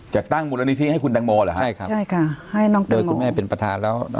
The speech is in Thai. จะตั้งมูลนิธีให้คุณหรอครับใช่ค่ะให้น้องเป็นประธานแล้ว